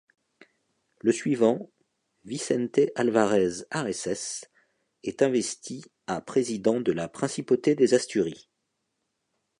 Le suivant, Vicente Álvarez Areces est investi à président de la principauté des Asturies.